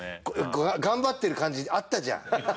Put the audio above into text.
頑張ってる感じあったじゃん